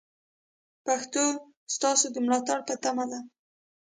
پښتو ستاسو د ملاتړ په تمه ده.